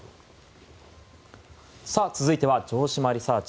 続いては城島リサーチ！